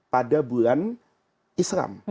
pada bulan islam